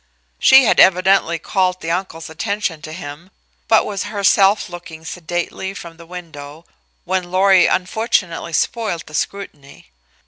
She had evidently called the uncle's attention to him, but was herself looking sedately from the window when Lorry unfortunately spoiled the scrutiny.